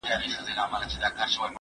زه به سبا لیکل کوم،